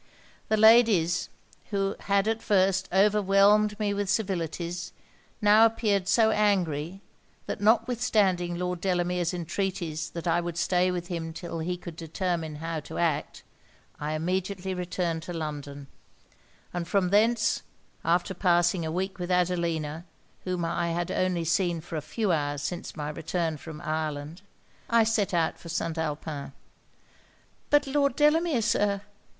The ladies, who had at first overwhelmed me with civilities, now appeared so angry, that notwithstanding Lord Delamere's entreaties that I would stay with him till he could determine how to act, I immediately returned to London; and from thence, after passing a week with Adelina, whom I had only seen for a few hours since my return from Ireland, I set out for St. Alpin.' 'But Lord Delamere, Sir?'